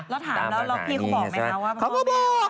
แล้วถามแล้วพี่เขาบอกไหมคะว่า